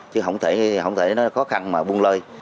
chứ không thể không để nó khó khăn mà buông lơi